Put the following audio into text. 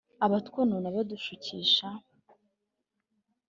abatwonona badushukisha